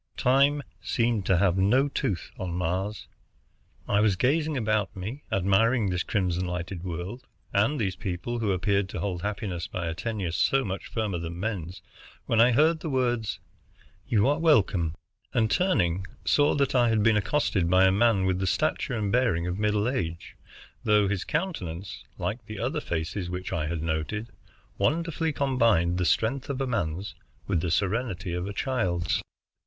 Time seemed to have no tooth on Mars. I was gazing about me, admiring this crimson lighted world, and these people who appeared to hold happiness by a tenure so much firmer than men's, when I heard the words, "You are welcome," and, turning, saw that I had been accosted by a man with the stature and bearing of middle age, though his countenance, like the other faces which I had noted, wonderfully combined the strength of a man's with the serenity of a child's.